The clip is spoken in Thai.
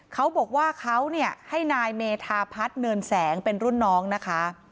เขาบอกว่าเขาเนี่ยให้นายเมธาพัฒน์เนินแสงเป็นรุ่นน้องนะคะ